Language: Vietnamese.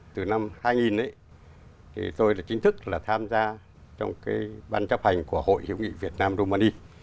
từ năm hai nghìn tôi chính thức tham gia trong bàn chấp hành của hội hữu nghị việt nam jumani